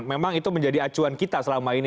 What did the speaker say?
memang itu menjadi acuan kita selama ini